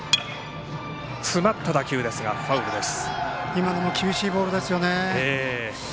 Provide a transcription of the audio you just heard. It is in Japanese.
今のも厳しいボールですよね。